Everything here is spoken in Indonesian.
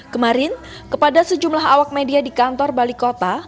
kemarin kepada sejumlah awak media di kantor balik kota